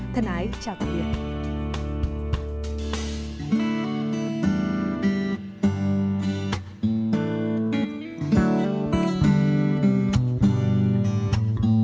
thân ái chào tạm biệt